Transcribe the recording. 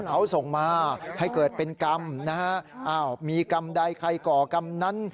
เขาส่งมาให้เกิดเป็นกรรมนะฮะอ้าวมีกรรมใดใครก่อกรรมนั้น